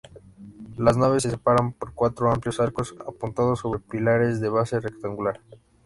Las naves se separan por cuatro amplios arcos apuntados sobre pilares de base rectangular.